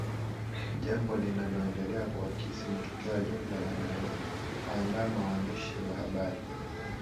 jambo linaloendelea kuakisi matokeo ya jumla yanayowaandama waandishi wa habari